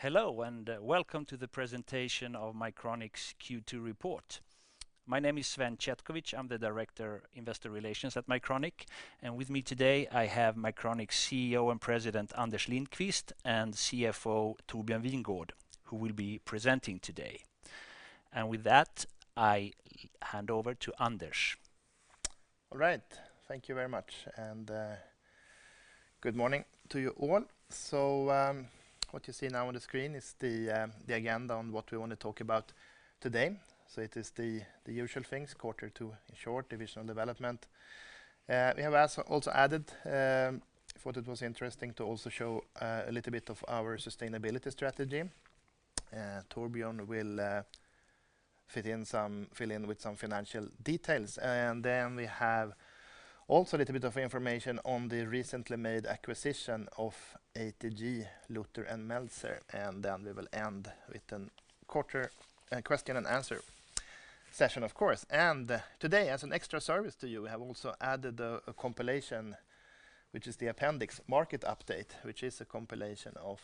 Hello, welcome to the presentation of Mycronic's Q2 report. My name is Sven Chetkovich. I'm the Director Investor Relations at Mycronic, and with me today I have Mycronic CEO and President Anders Lindqvist and CFO Torbjörn Wingårdh, who will be presenting today. With that, I hand over to Anders. All right. Thank you very much and good morning to you all. What you see now on the screen is the agenda on what we want to talk about today. It is the usual things, quarter two in short, divisional development. We also added, thought it was interesting to also show a little bit of our sustainability strategy. Torbjörn will fill in with some financial details, and then we have also a little bit of information on the recently made acquisition of atg Luther & Maelzer, and then we will end with a question-and-answer session, of course. Today, as an extra service to you, we have also added a compilation, which is the appendix market update, which is a compilation of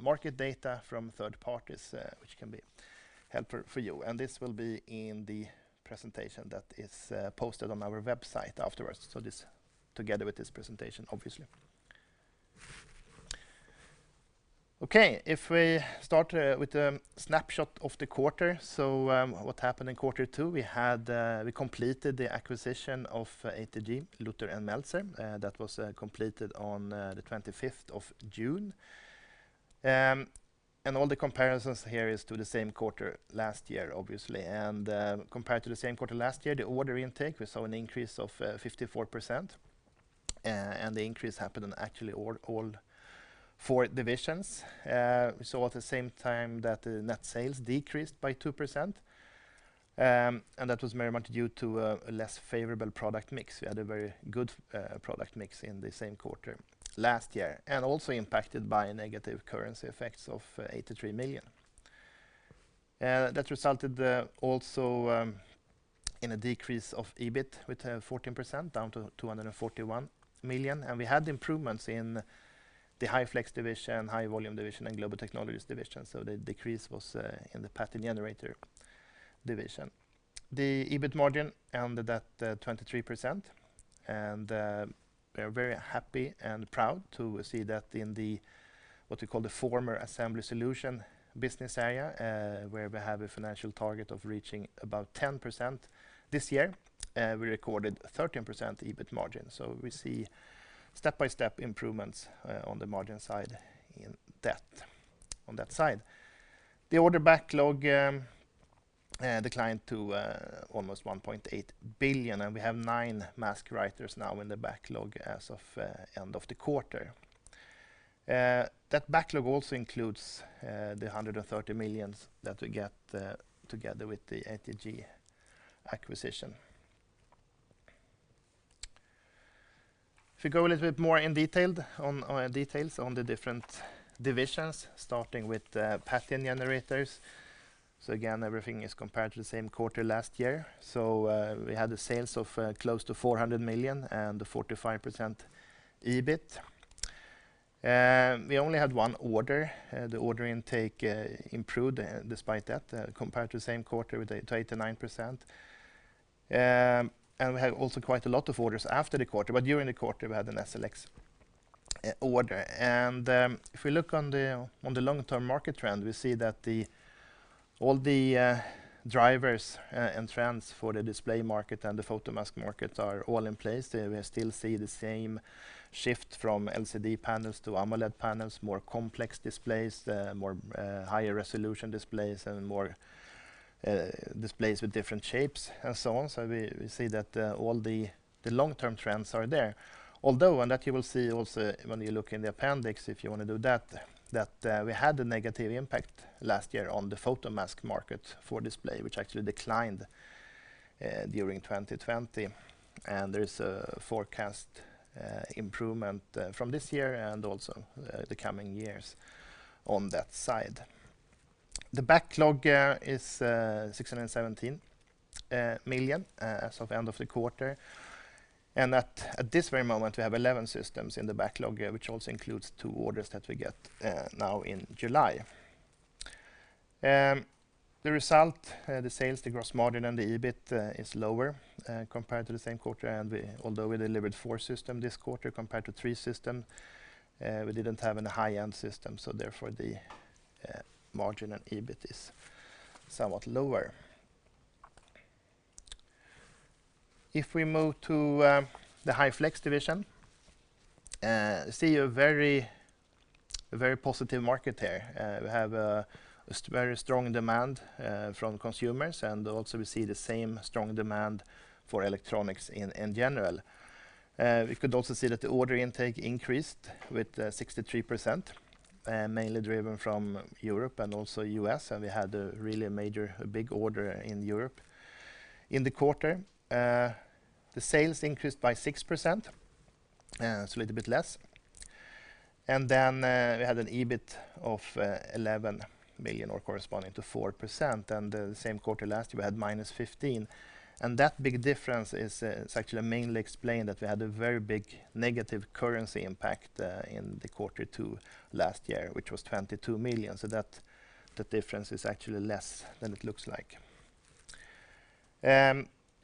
market data from third parties, which can be helpful for you. This will be in the presentation that is posted on our website afterwards. This together with this presentation, obviously. Okay, if we start with a snapshot of the quarter. What happened in quarter two? We completed the acquisition of atg Luther & Maelzer. That was completed on the 25th of June. All the comparisons here is to the same quarter last year, obviously. Compared to the same quarter last year, the order intake, we saw an increase of 54%, and the increase happened in actually all four divisions. We saw at the same time that the net sales decreased by 2%, and that was very much due to a less favorable product mix. We had a very good product mix in the same quarter last year. Also impacted by negative currency effects of 83 million. That resulted also in a decrease of EBIT with 14% down to 241 million. We had improvements in the High Flex division, High Volume division, and Global Technologies division. The decrease was in the Pattern Generators division. The EBIT margin ended at 23%, and we are very happy and proud to see that in the, what you call the former Assembly Solutions business area, where we have a financial target of reaching about 10% this year. We recorded 13% EBIT margin. We see step-by-step improvements on the margin side in that. On that side. The order backlog declined to almost 1.8 billion, and we have nine mask writers now in the backlog as of end of the quarter. That backlog also includes the 130 million that we get together with the atg acquisition. If you go a little bit more in details on the different divisions, starting with the Pattern Generators. Again, everything is compared to the same quarter last year. We had the sales of close to 400 million and the 45% EBIT. We only had one order, the order intake improved despite that, compared to the same quarter with 89%. We had also quite a lot of orders after the quarter, during the quarter, we had an SLX order. If we look on the long-term market trend, we see that all the drivers and trends for the display market and the photomask markets are all in place. They will still see the same shift from LCD panels to AMOLED panels, more complex displays, more higher resolution displays, and more displays with different shapes, and so on. We see that all the long-term trends are there. That you will see also when you look in the appendix, if you want to do that we had a negative impact last year on the photomask market for display, which actually declined during 2020. There is a forecast improvement from this year and also the coming years on that side. The backlog is 617 million as of the end of the quarter, and at this very moment, we have 11 systems in the backlog, which also includes two orders that we get now in July. The result, the sales gross margin and the EBIT is lower compared to the same quarter. Although we delivered four system this quarter compared to three system, we didn't have any high-end system, so therefore the margin and EBIT is somewhat lower. If we move to the High Flex division, we see a very positive market here. We have a very strong demand from consumers, and also we see the same strong demand for electronics in general. We could also see that the order intake increased with 63%, mainly driven from Europe and also U.S. We had a really major, big order in Europe. In the quarter, the sales increased by 6%, so a little bit less. We had an EBIT of 11 million or corresponding to 4%, and the same quarter last year, we had minus 15 million. That big difference is actually mainly explained that we had a very big negative currency impact in the quarter two last year, which was 22 million. That difference is actually less than it looks like.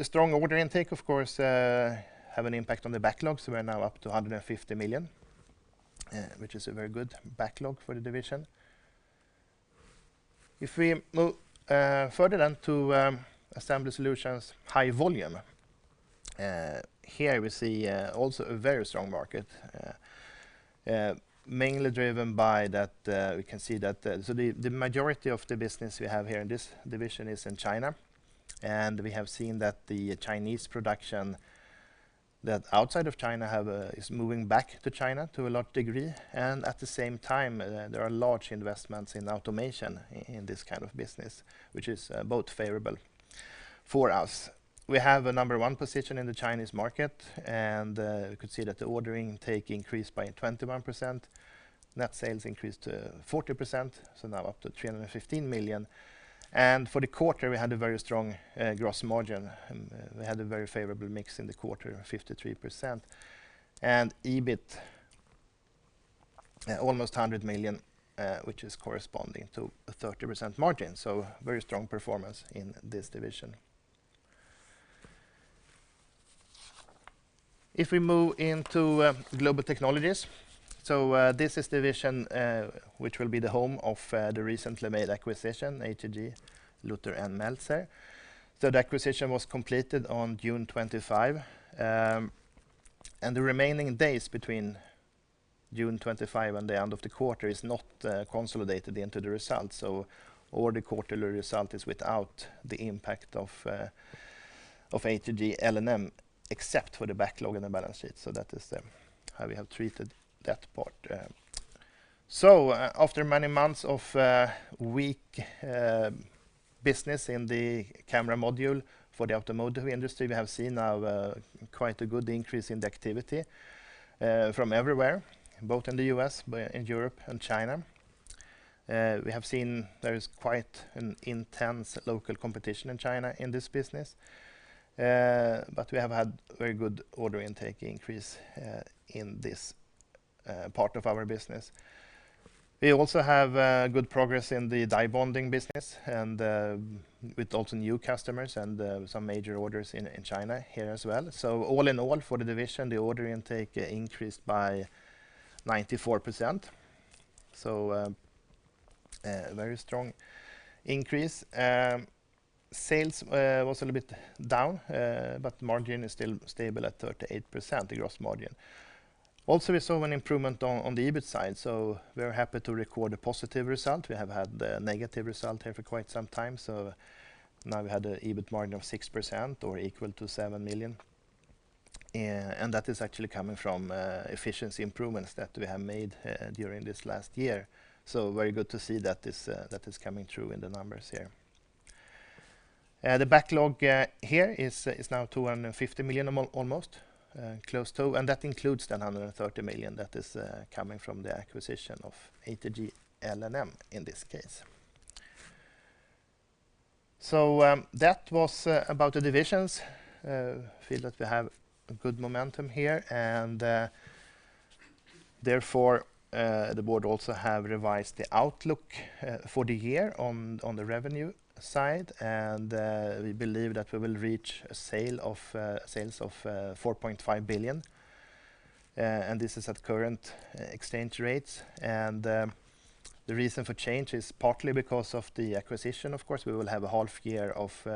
The strong order intake, of course, have an impact on the backlog. We're now up to 150 million, which is a very good backlog for the division. Assembly Solutions High Volume, here we see also a very strong market, mainly driven by that we can see that the majority of the business we have here in this division is in China, and we have seen that the Chinese production that outside of China is moving back to China to a large degree. At the same time, there are large investments in automation in this kind of business, which is both favorable for us. We have the number one position in the Chinese market, you can see that the ordering intake increased by 21%, net sales increased to 40%, now up to 315 million. For the quarter, we had a very strong gross margin, and we had a very favorable mix in the quarter of 53%. EBIT, almost 100 million, which is corresponding to a 30% margin. A very strong performance in this division. If we move into Global Technologies, this is the division which will be the home of the recently made acquisition, atg Luther & Maelzer. That acquisition was completed on June 25. The remaining days between June 25 and the end of the quarter is not consolidated into the results. All the quarterly result is without the impact of atg L&M, except for the backlog and the balance sheet. That is how we have treated that part. After many months of weak business in the camera module for the automotive industry, we have seen now quite a good increase in the activity from everywhere, both in the U.S., Europe, and China. We have seen there is quite an intense local competition in China in this business. We have had very good order intake increase in this part of our business. We also have good progress in the die bonding business and with also new customers and some major orders in China here as well. All in all, for the division, the order intake increased by 94%. A very strong increase. Sales was a little bit down, margin is still stable at 38%, the gross margin. We saw an improvement on the EBIT side, we're happy to record a positive result. We have had a negative result here for quite some time. Now we had an EBIT margin of 6% or equal to 7 million. That is actually coming from efficiency improvements that we have made during this last year. Very good to see that is coming through in the numbers here. The backlog here is now 250 million almost, close to. That includes the 130 million that is coming from the acquisition of atg L&M in this case. That was about the divisions. I feel that they have a good momentum here. Therefore, the board also have revised the outlook for the year on the revenue side. We believe that we will reach sales of 4.5 billion. This is at current exchange rates. The reason for change is partly because of the acquisition. Of course, we will have a half year of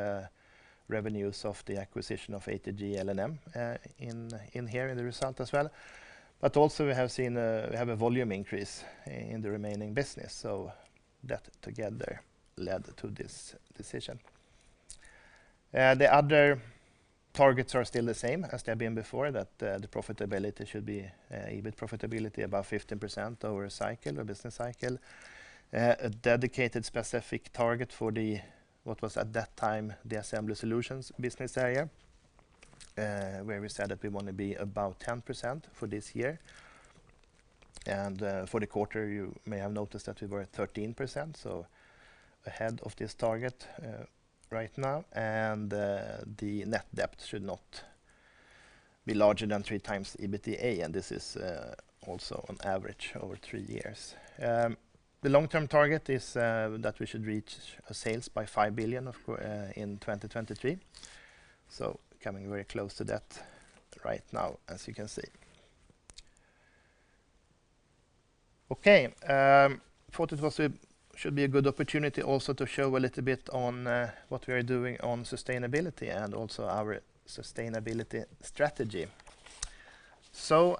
revenues of the acquisition of atg L&M in here in the result as well. We have seen we have a volume increase in the remaining business, so that together led to this decision. The other targets are still the same as they've been before, that the profitability should be EBIT profitability above 15% over a cycle, a business cycle. A dedicated specific target for what was at that time the Assembly Solutions business area, where we said that we want to be above 10% for this year. For the quarter, you may have noticed that we were at 13%, so ahead of this target right now. The net debt should not be larger than 3x EBITDA, and this is also on average over three years. The long-term target is that we should reach sales by 5 billion in 2023. Coming very close to that right now, as you can see. Okay. Thought this should be a good opportunity also to show a little bit on what we are doing on sustainability and also our sustainability strategy.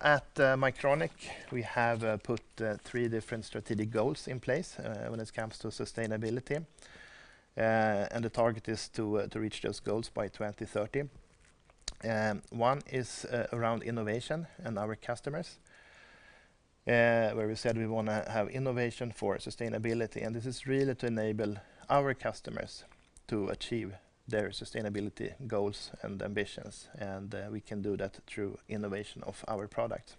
At Mycronic, we have put three different strategic goals in place when it comes to sustainability. The target is to reach those goals by 2030. 1 is around innovation and our customers, where we said we want to have innovation for sustainability. This is really to enable our customers to achieve their sustainability goals and ambitions. We can do that through innovation of our product.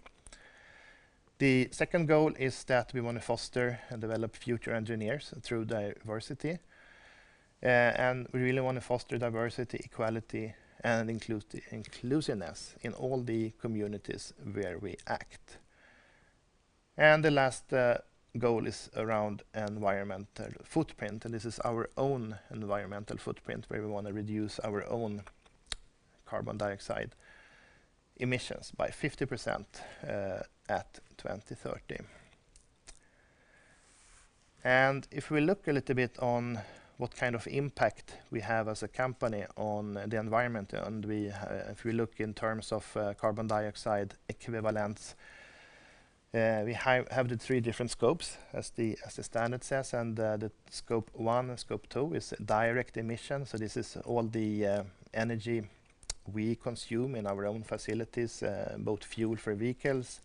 The second goal is that we want to foster and develop future engineers through diversity. We really want to foster diversity, equality, and inclusiveness in all the communities where we act. The last goal is around environmental footprint, and this is our own environmental footprint, where we want to reduce our own carbon dioxide emissions by 50% at 2030. If we look a little bit on what kind of impact we have as a company on the environment, if we look in terms of carbon dioxide equivalents, we have the three different scopes as the standard says, the scope one and scope two is direct emissions. This is all the energy we consume in our own facilities, both fuel for vehicles,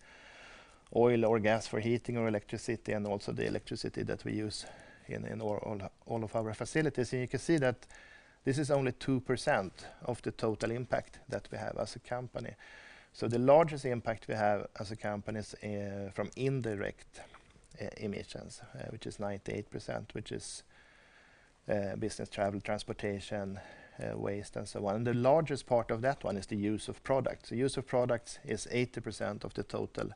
oil or gas for heating, or electricity, and also the electricity that we use in all of our facilities. You can see that this is only 2% of the total impact that we have as a company. The largest impact we have as a company is from indirect emissions, which is 98%, which is business travel, transportation, waste, and so on. The largest part of that one is the use of products. The use of products is 80% of the total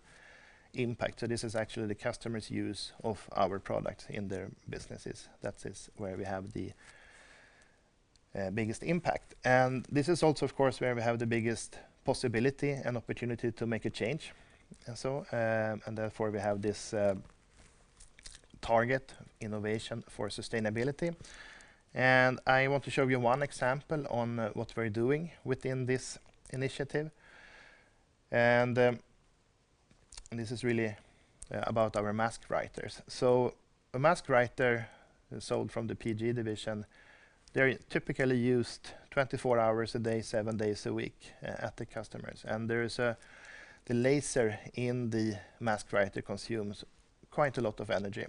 impact. This is actually the customers' use of our products in their businesses. That is where we have the biggest impact. This is also, of course, where we have the biggest possibility and opportunity to make a change. Therefore, we have this target Innovation for Sustainability. I want to show you one example on what we're doing within this initiative. This is really about our mask writers. A mask writer sold from the PG division, they're typically used 24 hours a day, seven days a week at the customers. The laser in the mask writer consumes quite a lot of energy.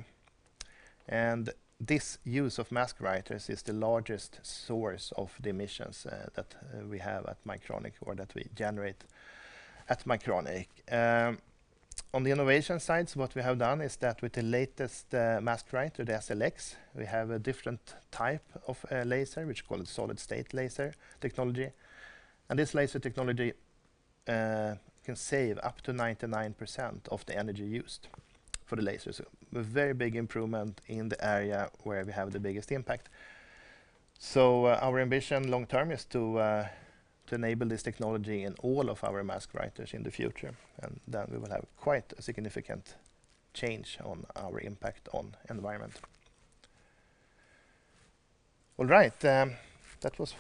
This use of mask writers is the largest source of the emissions that we have at Mycronic or that we generate at Mycronic. On the innovation side, what we have done is that with the latest mask writer, the SLX, we have a different type of laser, which is called solid-state laser technology. This laser technology can save up to 99% of the energy used for the laser. A very big improvement in the area where we have the biggest impact. Our ambition long term is to enable this technology in all of our mask writers in the future, then we will have quite a significant change on our impact on environment. All right. That was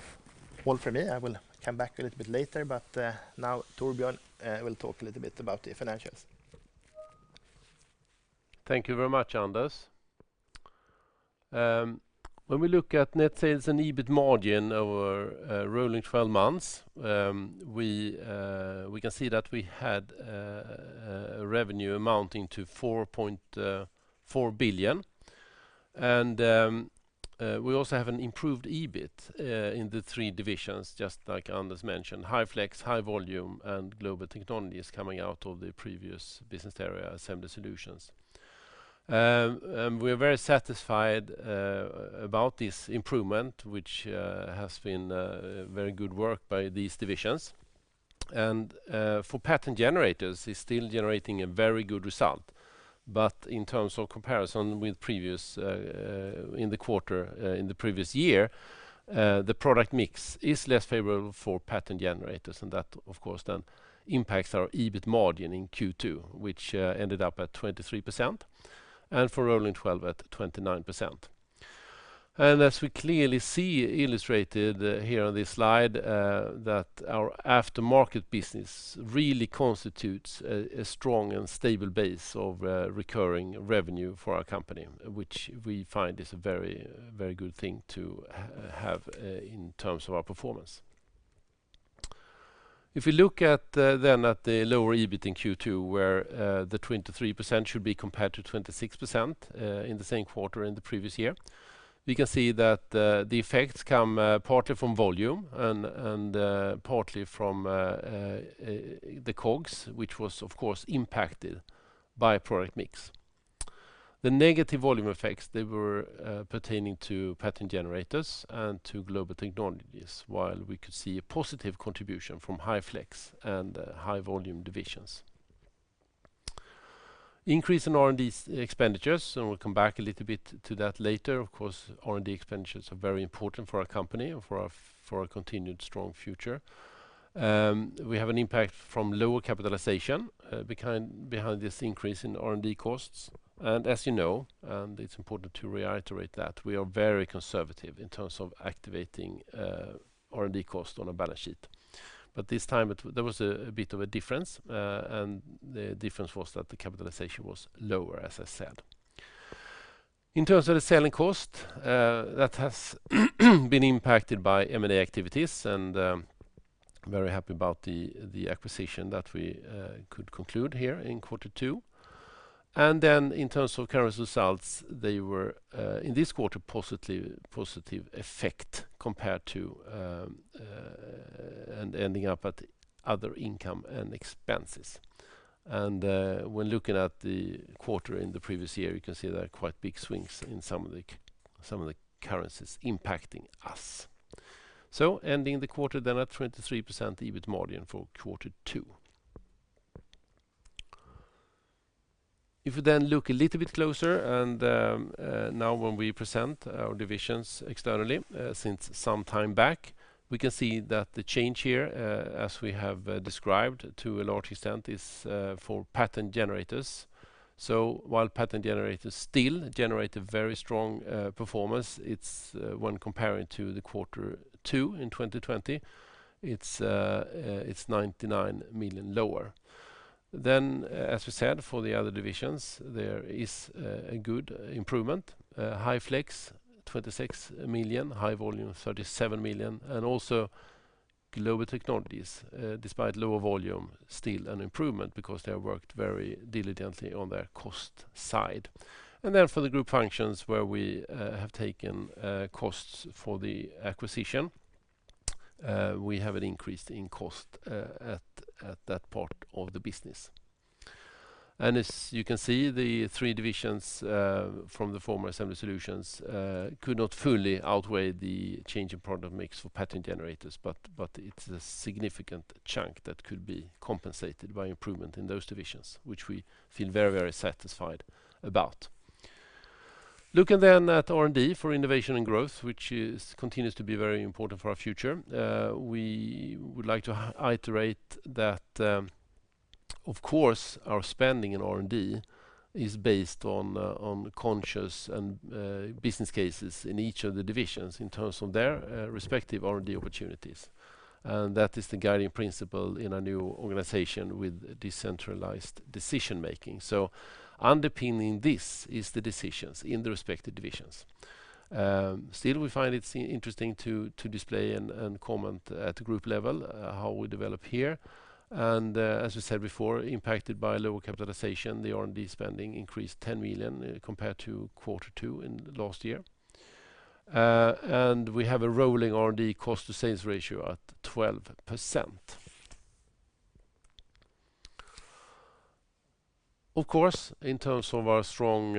all for me. I will come back a little bit later. Now Torbjörn will talk a little bit about the financials. Thank you very much, Anders. When we look at net sales and EBIT margin over rolling 12 months, we can see that we had a revenue amounting to 4.4 billion, and we also have an improved EBIT in the three divisions, just like Anders mentioned, High Flex, High Volume, and Global Technologies coming out of the previous business area Assembly Solutions. We are very satisfied about this improvement, which has been very good work by these divisions. For Pattern Generators, it's still generating a very good result. In terms of comparison with in the quarter in the previous year, the product mix is less favorable for Pattern Generators, and that, of course, then impacts our EBIT margin in Q2, which ended up at 23%, and for rolling 12 at 29%. As we clearly see illustrated here on this slide, that our aftermarket business really constitutes a strong and stable base of recurring revenue for our company, which we find is a very good thing to have in terms of our performance. If we look then at the lower EBIT in Q2, where the 23% should be compared to 26% in the same quarter in the previous year, we can see that the effects come partly from volume and partly from the COGS, which was, of course, impacted by product mix. The negative volume effects, they were pertaining to Pattern Generators and to Global Technologies, while we could see a positive contribution from High Flex and High Volume divisions. Increase in R&D expenditures, and we'll come back a little bit to that later. Of course, R&D expenditures are very important for our company and for our continued strong future. We have an impact from lower capitalization behind this increase in R&D costs. As you know, and it's important to reiterate that we are very conservative in terms of activating R&D cost on a balance sheet. This time, there was a bit of a difference, and the difference was that the capitalization was lower, as I said. In terms of the selling cost, that has been impacted by M&A activities, and I'm very happy about the acquisition that we could conclude here in quarter two. In terms of current results, they were, in this quarter, positive effect compared to ending up at other income and expenses. When looking at the quarter in the previous year, you can see there are quite big swings in some of the currencies impacting us. Ending the quarter then at 23% EBIT margin for quarter two. If we look a little bit closer and now when we present our divisions externally since some time back, we can see that the change here, as we have described to a large extent, is for Pattern Generators. While Pattern Generators still generate a very strong performance, when comparing to the quarter two in 2020, it's 99 million lower. As we said, for the other divisions, there is a good improvement. High Flex, 26 million, High Volume, 37 million, and also Global Technologies, despite lower volume, still an improvement because they have worked very diligently on their cost side. For the group functions where we have taken costs for the acquisition, we have an increase in cost at that part of the business. As you can see, the three divisions from the former Assembly Solutions could not fully outweigh the change in product mix for Pattern Generators, but it's a significant chunk that could be compensated by improvement in those divisions, which we feel very satisfied about. Looking at R&D for innovation and growth, which continues to be very important for our future. We would like to iterate that, of course, our spending on R&D is based on conscious and business cases in each of the divisions in terms of their respective R&D opportunities. That is the guiding principle in our new organization with decentralized decision-making. Underpinning this is the decisions in the respective divisions. Still, we find it interesting to display and comment at group level how we develop here. As we said before, impacted by lower capitalization, the R&D spending increased 10 million compared to quarter two in last year. We have a rolling R&D cost to sales ratio at 12%. Of course, in terms of our strong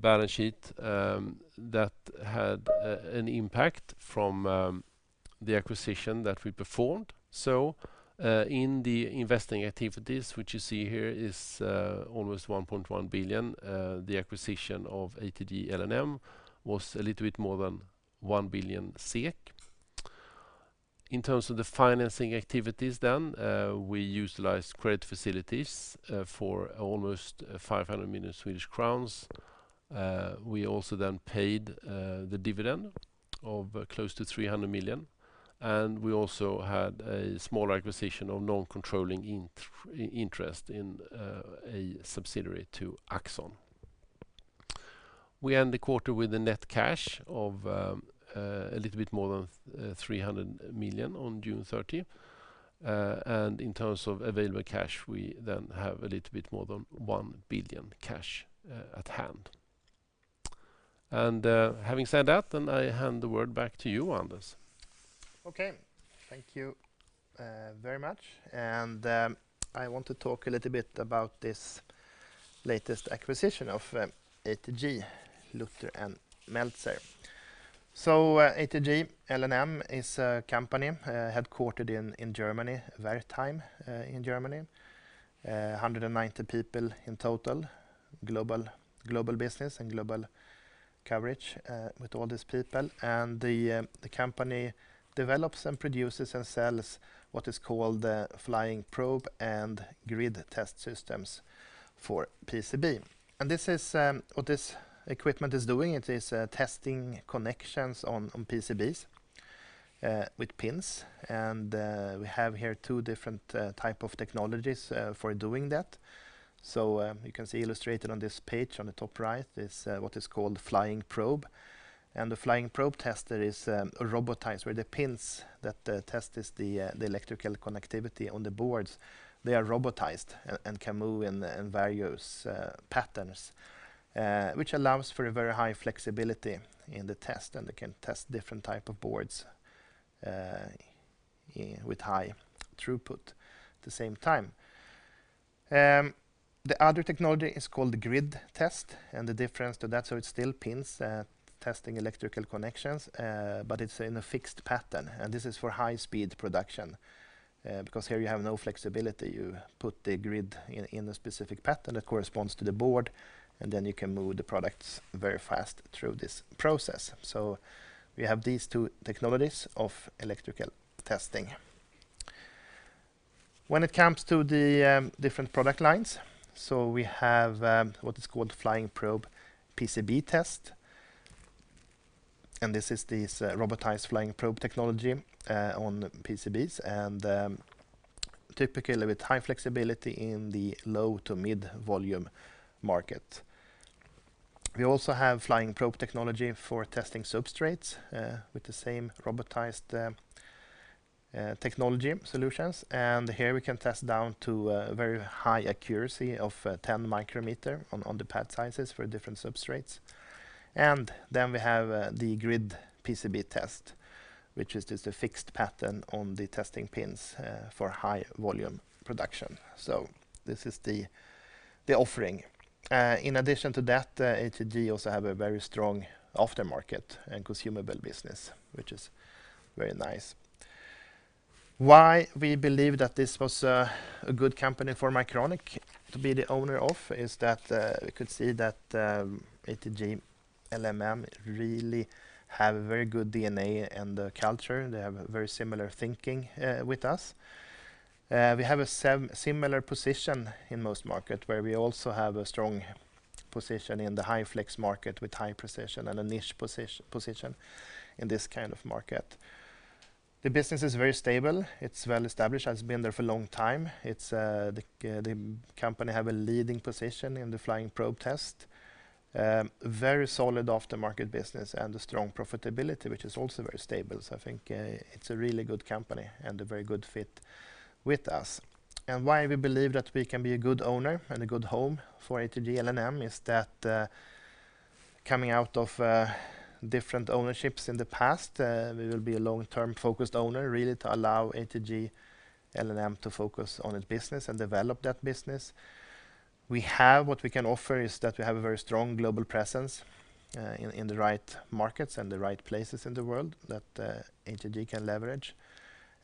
balance sheet, that had an impact from the acquisition that we performed. In the investing activities, which you see here, is almost 1.1 billion. The acquisition of atg L&M was a little bit more than 1 billion SEK. In terms of the financing activities, we utilized credit facilities for almost 500 million Swedish crowns. We also paid the dividend of close to 300 million, and we also had a small acquisition of non-controlling interest in a subsidiary to Axxon. We end the quarter with a net cash of a little bit more than 300 million on June 30. In terms of available cash, we have a little bit more than 1 billion cash at hand. Having said that, I hand the word back to you, Anders. Okay, thank you very much. I want to talk a little bit about this latest acquisition of atg Luther & Maelzer. So, atg L&M is a company headquartered in Germany, Wertheim, in Germany, 190 people in total, global business and global coverage with all these people. The company develops and produces and sells what is called flying probe and grid test systems for PCB. This is what this equipment is doing. It is testing connections on PCBs with pins. We have here two different type of technologies for doing that. You can see illustrated on this page on the top right is what is called flying probe. The flying probe tester is robotized, where the pins that test the electrical connectivity on the boards, they are robotized and can move in various patterns, which allows for a very high flexibility in the test. It can test different type of boards with high throughput at the same time. The other technology is called grid test, and the difference to that, so it's still pins testing electrical connections, but it's in a fixed pattern. This is for high-speed production, because here you have no flexibility. You put the grid in a specific pattern that corresponds to the board, and then you can move the products very fast through this process. We have these two technologies of electrical testing. When it comes to the different product lines, so we have what is called flying probe PCB test, and this is this robotized flying probe technology on PCBs, and typically with high flexibility in the low to mid-volume market. We also have flying probe technology for testing substrates with the same robotized technology solutions. Here we can test down to a very high accuracy of 10 micrometer on the pad sizes for different substrates. Then we have the grid PCB test, which is just a fixed pattern on the testing pins for High Volume production. This is the offering. In addition to that, atg also have a very strong aftermarket and consumable business, which is very nice. Why we believe that this was a good company for Mycronic to be the owner of is that we could see that atg L&M really have a very good DNA and culture. They have a very similar thinking with us. We have a similar position in most markets where we also have a strong position in the High Flex market with high precision and a niche position in this kind of market. The business is very stable. It's well-established, has been there for a long time. The company have a leading position in the flying probe test, very solid aftermarket business, and a strong profitability, which is also very stable. I think it's a really good company and a very good fit with us. Why we believe that we can be a good owner and a good home for atg L&M is that coming out of different ownerships in the past, we will be a long-term focused owner, really to allow atg L&M to focus on its business and develop that business. What we can offer is that we have a very strong global presence in the right markets and the right places in the world that atg can leverage,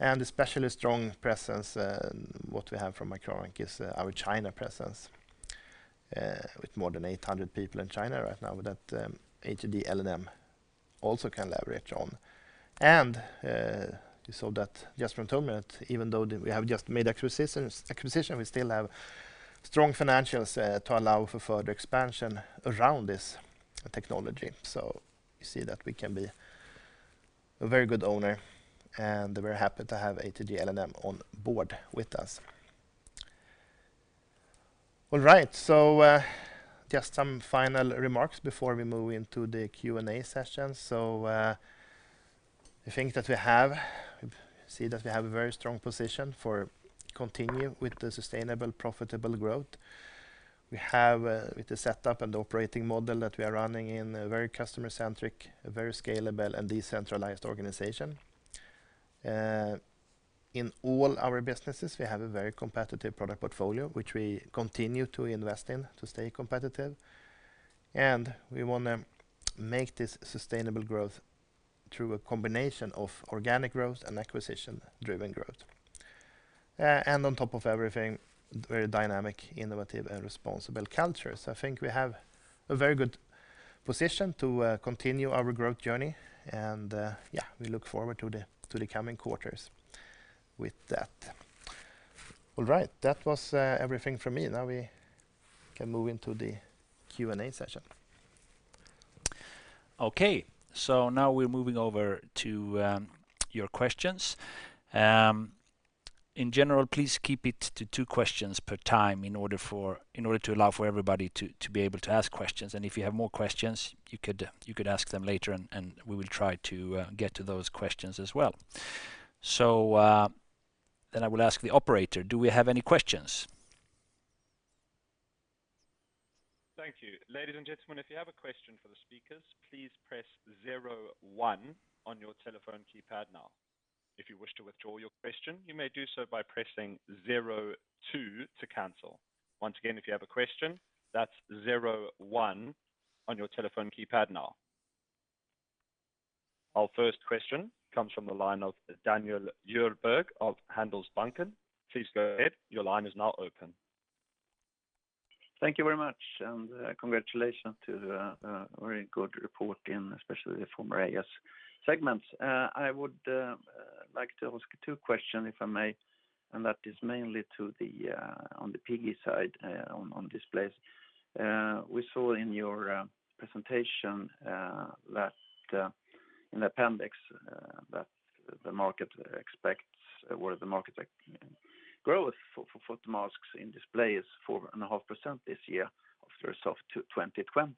and especially strong presence. What we have from Mycronic is our China presence with more than 800 people in China right now that atg L&M also can leverage on. You saw that [Jesper] told me that even though we have just made acquisitions, we still have strong financials to allow for further expansion around this technology. You see that we can be a very good owner, and we're happy to have atg L&M on board with us. All right. Just some final remarks before we move into the Q&A session. I think that we see that we have a very strong position for continuing with the sustainable profitable growth. We have with the setup and operating model that we are running in a very customer-centric, very scalable, and decentralized organization. In all our businesses, we have a very competitive product portfolio, which we continue to invest in to stay competitive, and we want to make this sustainable growth through a combination of organic growth and acquisition-driven growth. On top of everything, very dynamic, innovative, and responsible culture. I think we have a very good position to continue our growth journey. We look forward to the coming quarters with that. All right. That was everything from me. Now we can move into the Q&A session. Okay. Now we're moving over to your questions. In general, please keep it to two questions per time in order to allow for everybody to be able to ask questions. If you have more questions, you could ask them later, and we will try to get to those questions as well. I will ask the operator, do we have any questions? Thank you. Ladies and gentlemen, if you have a question for the speakers, please press zero one on your telephone keypad now. If you wish to withdraw your question, you may do so by pressing zero two to cancel. Once again, if you have a question, that's zero one on your telephone keypad now. Our first question comes from the line of Daniel Djurberg of Handelsbanken. Please go ahead. Your line is now open. Thank you very much. Congratulations to the very good report, and especially from AS segments. I would like to ask you two questions, if I may, that is mainly on the PG side on displays. We saw in your presentation in appendix that the market expects growth for photomasks in displays 4.5% this year after a soft 2020.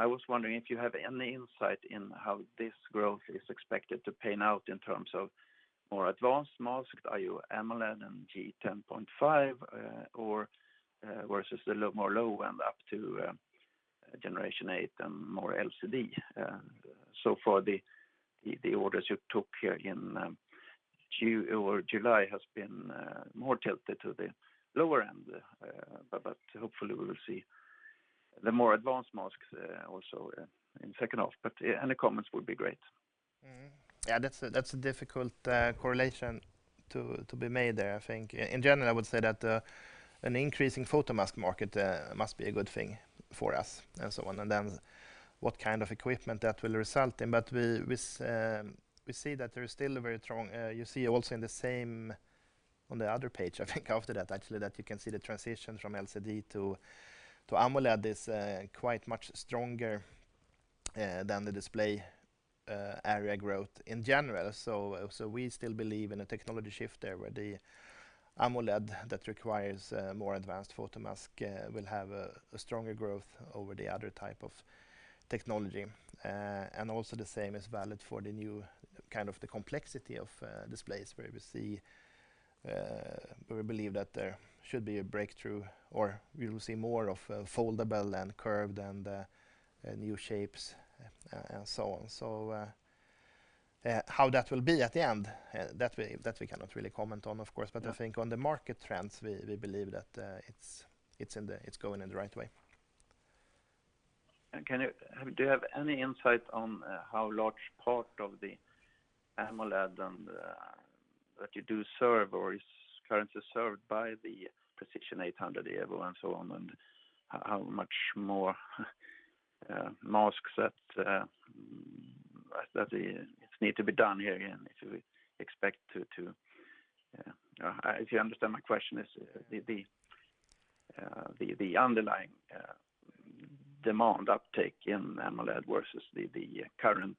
I was wondering if you have any insight in how this growth is expected to pan out in terms of more advanced masks, i.e., AMOLED and G10.5, or versus the lower end up to Generation 8 and more LCD? So far, the orders you took here in July has been more tilted to the lower end. Hopefully we will see the more advanced masks also in second half. Any comments would be great. Yeah, that's a difficult correlation to be made there. I think in general, I would say that an increasing photomask market must be a good thing for us and so on. Then what kind of equipment that will result in. We see that there is still a very strong, You see also on the other page, I think also that actually, that you can see the transition from LCD to AMOLED is quite much stronger than the display area growth in general. We still believe in a technology shift there where the AMOLED that requires a more advanced photomask will have a stronger growth over the other type of technology. Also the same is valid for the new kind of the complexity of displays where we believe that there should be a breakthrough, or we will see more of foldable and curved and new shapes and so on. How that will be at the end, that we cannot really comment on, of course. I think on the market trends, we believe that it's going in the right way. Do you have any insight on how large part of the AMOLED that you do serve or is currently served by the Prexision 800 Evo and so on, and how much more masks that need to be done here? If you understand my question is, the underlying demand uptake in AMOLED versus the current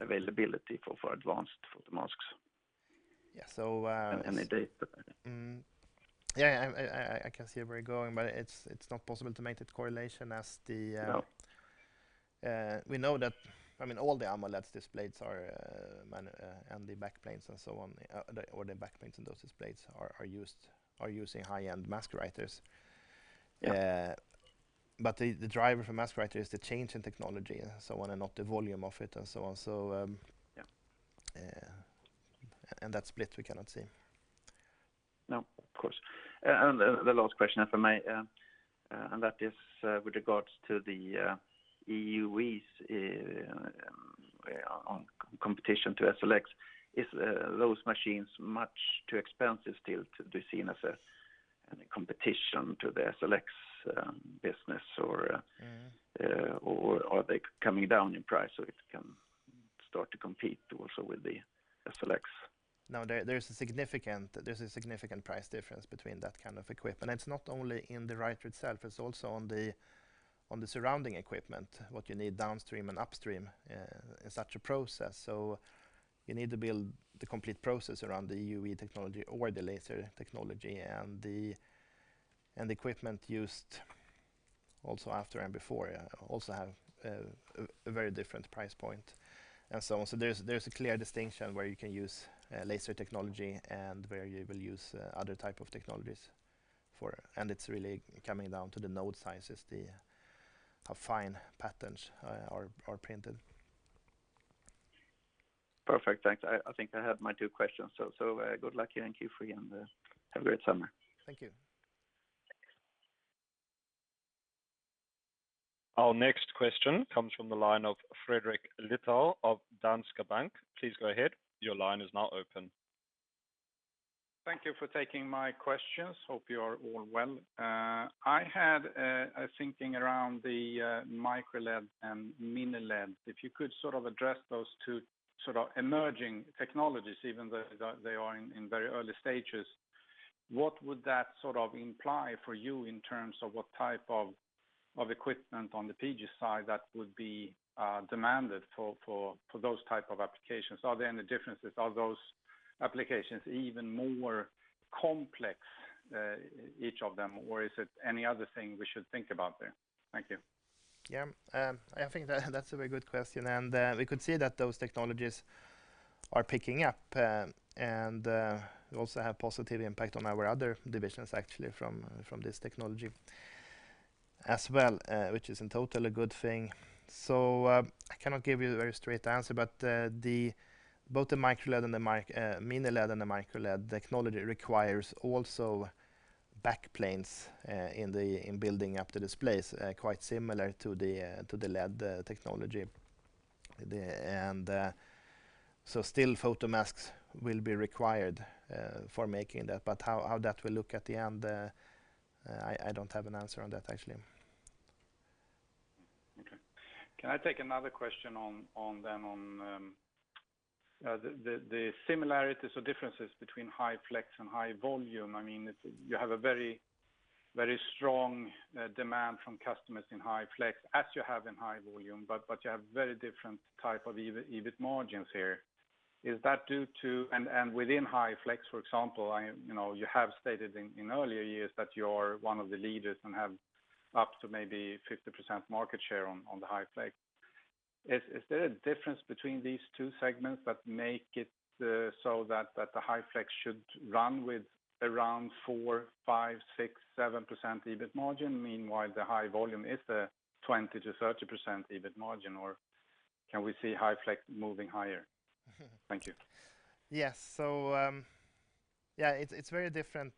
availability for advanced photomasks. Yeah. Any data? I can see where you're going, but it's not possible to make that correlation as. Yeah. We know that all the AMOLED displays and the backplanes and so on, all the backplanes in those displays are using high-end mask writers. Yeah, but the the driver for mask writer is the change in technology and so on, and not the volume of it and so on. Yeah. Yeah, and that split, we cannot see. No, of course. The last question, if I may, and that is with regards to the EUVs on competition to SLX. Is those machines much too expensive still to be seen as a competition to the SLX business or are they coming down in price so it can start to compete also with the SLX? No, there's a significant price difference between that kind of equipment. It's not only in the writer itself, it's also on the surrounding equipment, what you need downstream and upstream in such a process. You need to build the complete process around the EUV technology or the laser technology, and the equipment used also after and before also have a very different price point and so on. There's a clear distinction where you can use laser technology and where you will use other type of technologies. It's really coming down to the node sizes, how fine patterns are printed. Perfect. I think I have my two questions. Good luck and Q3 and have a great summer. Thank you. Our next question comes from the line of Fredrik Lithell of Danske Bank. Thank you for taking my questions. Hope you are all well. I had a thinking around the MicroLED and MiniLED. If you could address those two emerging technologies, even though they are in very early stages, what would that imply for you in terms of what type of equipment on the PG side that would be demanded for those types of applications? Are there any differences? Are those applications even more complex, each of them, or is it any other thing we should think about there? Thank you. Yeah, I think that's a very good question. We could see that those technologies are picking up and they also have positive impact on our other divisions actually from this technology as well, which is in total a good thing. I cannot give you a very straight answer, but both the MiniLED and the MicroLED technology requires also backplanes in building up the displays, quite similar to the LED technology. Still photomasks will be required for making that. How that will look at the end, I don't have an answer on that actually. Okay. Can I take another question on then on the similarities or differences between High Flex and HyVolume? You have a very strong demand from customers in High Flex as you have in HyVolume, but you have very different type of EBIT margins here. Is that due to? Within High Flex, for example, you have stated in earlier years that you're one of the leaders and have up to maybe 50% market share on the High Flex. Is there a difference between these two segments that make it so that the High Flex should run with around 4%-7% EBIT margin, meanwhile the HyVolume is a 20%-30% EBIT margin, or can we see High Flex moving higher? Thank you. Yes. It's very different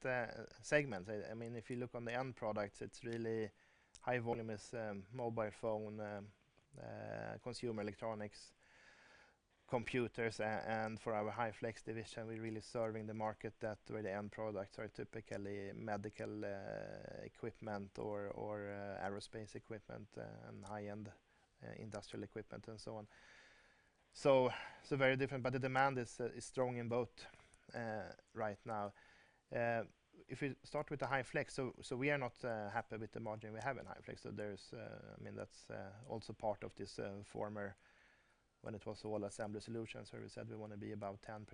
segments. If you look on the end products, it's really HyVolume is mobile phone, consumer electronics, computers. For our High Flex division, we're really serving the market that really end products are typically medical equipment or aerospace equipment and high-end industrial equipment and so on. Very different, but the demand is strong in both right now. If you start with the High Flex, so we are not happy with the margin we have in High Flex. That's also part of this former, when it was all Assembly Solutions where we said we want to be above 10%,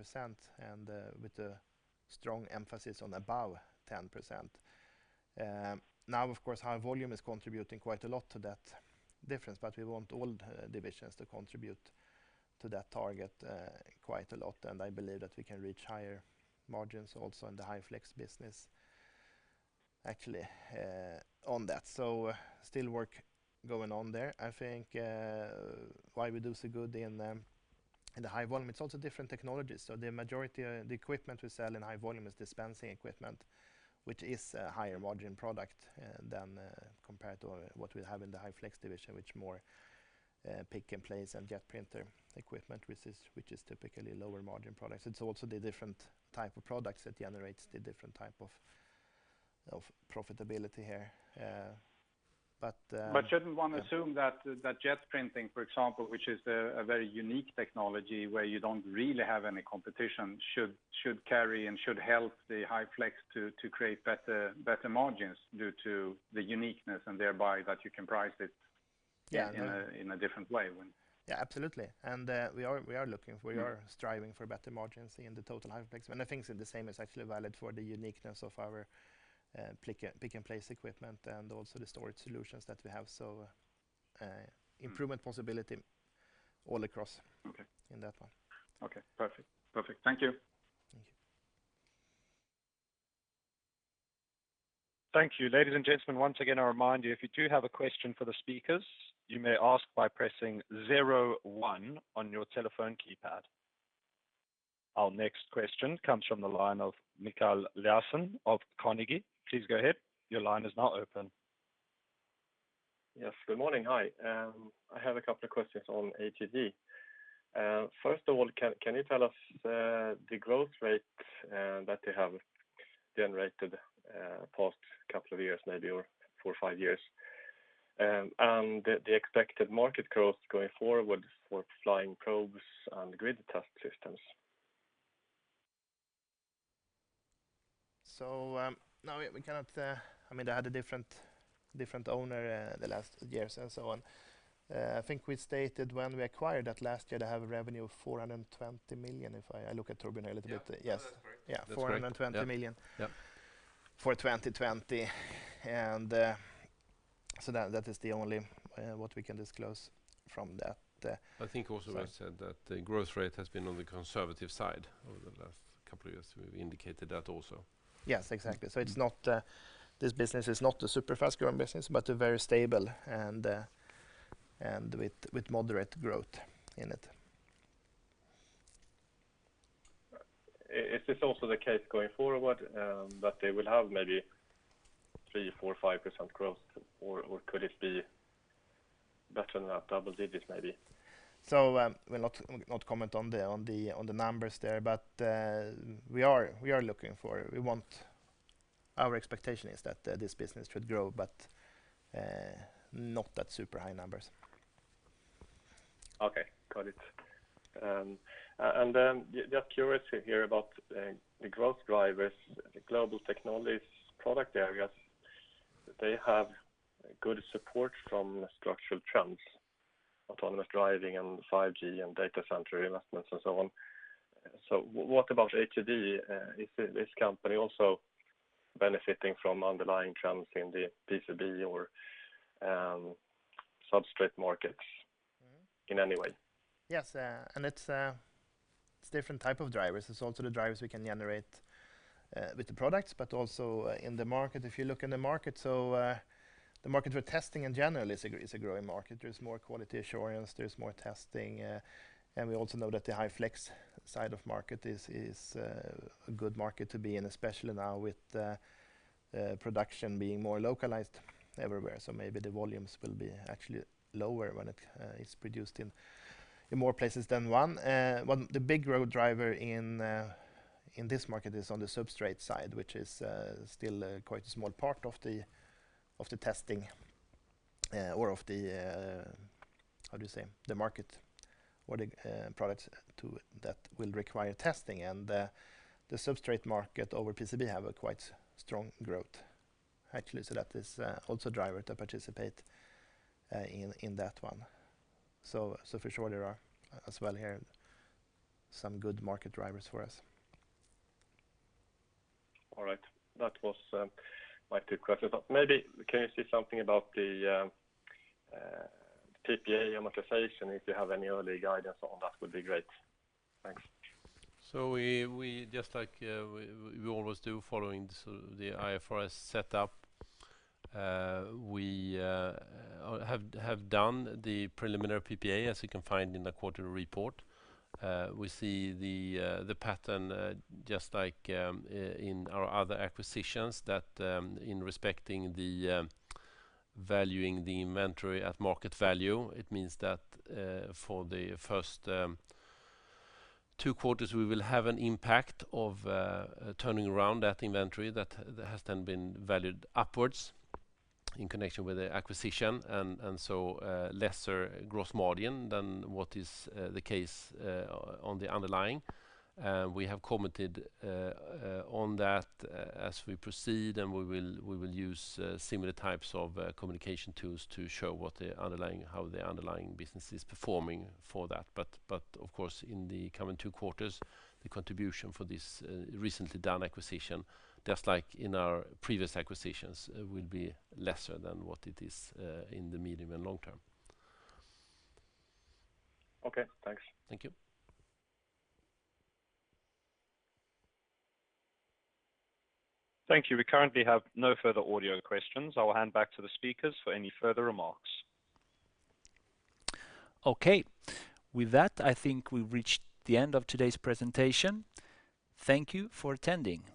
and with a strong emphasis on above 10%. Of course, High Volume is contributing quite a lot to that difference, but we want all divisions to contribute to that target quite a lot, and I believe that we can reach higher margins also in the High Flex business. Actually on that, still work going on there. I think why we do so good in the High Volume, it's also different technologies. The majority of the equipment we sell in High Volume is dispensing equipment, which is a higher margin product compared to what we have in the High Flex division, which is more pick-and-place and jet printer equipment, which is typically lower margin products. It's also the different type of products that generates the different type of profitability here. Shouldn't one assume that the jet printing, for example, which is a very unique technology where you don't really have any competition, should carry and should help the High Flex to create better margins due to the uniqueness and thereby that you can price it in a different way? Yeah, absolutely. We are striving for better margins in the total High Flex. I think the same is actually valid for the uniqueness of our pick-and-place equipment and also the storage solutions that we have. Improvement possibility all across- Okay ...in that one. Okay, perfect. Thank you. Thank you. Thank you. Ladies and gentlemen, once again, I remind you, if you do have a question for the speakers, you may ask by pressing 01 on your telephone keypad. Our next question comes from the line of Mikael Laséen of Carnegie. Please go ahead. Your line is now open. Yes, good morning. Hi. I have a couple questions on atg. First of all, can you tell us the growth rate that they have generated past couple of years, maybe four or five years, and the expected market growth going forward for flying probes and grid test systems? They had a different owner the last years and so on. I think we stated when we acquired that last year, they have revenue of 420 million, if I look at Torbjörn a little bit. Yes. That's right. 420 million. That's right. Yep. for 2020, and so that is the only what we can disclose from that. I think also we said that the growth rate has been on the conservative side over the last couple of years. We've indicated that also. Yes, exactly. This business is not a super-fast growing business, but a very stable and with moderate growth in it. Is this also the case going forward, that they will have maybe 3%, 4%, 5% growth? Could it be better than that, double digits, maybe? We'll not comment on the numbers there, but we are looking for it. Our expectation is that this business will grow, but not at super high numbers. Okay. Got it. Just curious to hear about the growth drivers, the Global Technologies product areas. They have good support from structural trends, autonomous driving and 5G and data center investments and so on. What about atg? Is this company also benefiting from underlying trends in the PCB or substrate markets in any way? Yes, it's different type of drivers. It's also the drivers we can generate with the products, but also in the market. If you look in the market, the market for testing in general is a growing market. There's more quality assurance, there's more testing, and we also know that the High Flex side of market is a good market to be in, especially now with the production being more localized everywhere. Maybe the volumes will be actually lower when it's produced in more places than one. The big growth driver in this market is on the substrate side, which is still quite a small part of the testing or of the, how do you say, the market or the products that will require testing. The substrate market over PCB have a quite strong growth, actually. That is also a driver to participate in that one. For sure there are, as well here, some good market drivers for us. All right. That was my two questions. Can you say something about the PPA amortization, if you have any early guidance on that would be great. Thanks. Just like we always do following the IFRS set up, we have done the preliminary PPA, as you can find in the quarterly report. We see the pattern, just like in our other acquisitions, that in respecting the valuing the inventory at market value, it means that for the first two quarters, we will have an impact of turning around that inventory that has then been valued upwards in connection with the acquisition, lesser gross margin than what is the case on the underlying. We have commented on that as we proceed, we will use similar types of communication tools to show how the underlying business is performing for that. Of course, in the coming two quarters, the contribution for this recently done acquisition, just like in our previous acquisitions, will be lesser than what it is in the medium and long term. Okay, thanks. Thank you. Thank you. We currently have no further audio questions. I will hand back to the speakers for any further remarks. Okay. With that, I think we've reached the end of today's presentation. Thank you for attending.